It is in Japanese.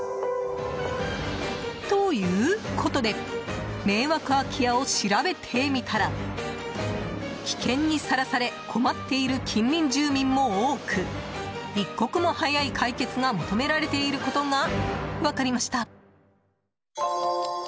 ということで迷惑空き家を調べてみたら危険にさらされ困っている近隣住民も多く一刻も早い解決が求められていることが分かりました。